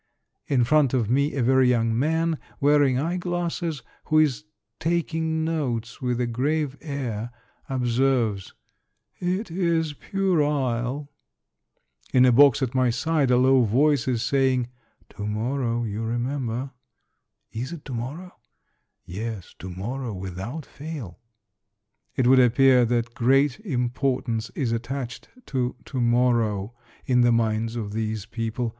In front of me a very young man wearing eye glasses, who is taking notes with a grave air, observes, —^' It is puerile !" In a box at my side a low voice is saying, —To morrow, you remember." " Is it to morrow?" " Yes, to morrow without fail." It would appear that great importance is attached to to morrow in the minds of these people.